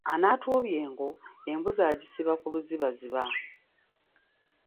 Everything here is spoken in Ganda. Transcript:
Anaatuubya engo, embuzi agisiba ku luzibaziba.